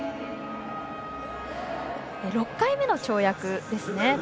６回目の跳躍ですね。